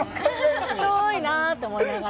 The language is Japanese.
いいなと思いながら。